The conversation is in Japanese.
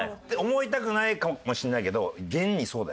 思いたくないかもしれないけど。